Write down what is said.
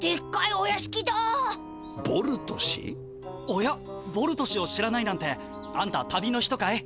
おやボルト氏を知らないなんてあんた旅の人かい？